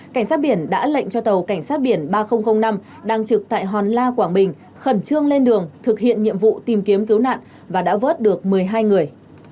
cảnh sát biển đã lệnh cho tàu cảnh sát biển ba nghìn năm đang trực tại hòn la quảng bình khẩn trương lên đường thực hiện nhiệm vụ tìm kiếm cứu nạn và đã vớt được một mươi hai người